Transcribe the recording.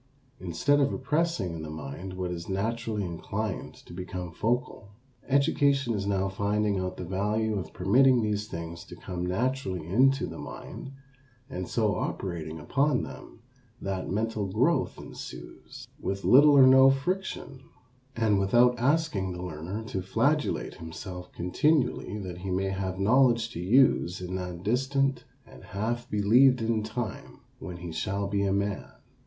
Instead of repressing in the mind what is naturally inclined to become focal, education is now finding out the value of permitting these things to come naturally into the mind and so operating upon them that mental growth ensues with little or no friction, and without asking the learner to flagellate himself continually that he may have knowledge to use in that distant and half believed in time when he shall be a man.